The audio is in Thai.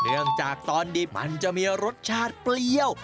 เนื่องจากตอนดิบมันจะมีรสชาติเปรี้ยว